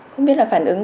không biết là phản ứng